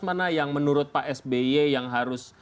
mana yang menurut pak sby yang harus